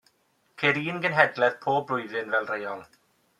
Ceir un genhedlaeth pob blwyddyn, fel rheol.